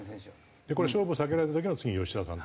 これ勝負を避けられた時の次吉田さんと。